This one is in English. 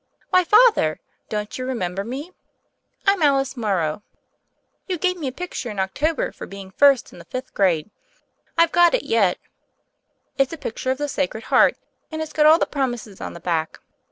"Why, Father, don't you remember me? I'm Alice Morrow. You gave me a picture in Oc tober for being first in the fifth grade. I've got it yet. It's a picture of the Sacred Heart, and it's got all the promises on the back.